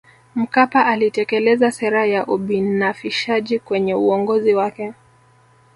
mkapa alitekeleza sera ya ubinafishaji kwenye uongozi wake